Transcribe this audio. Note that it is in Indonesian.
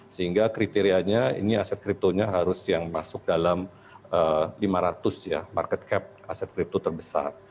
sehingga kriterianya ini aset kriptonya harus yang masuk dalam lima ratus ya market cap aset kripto terbesar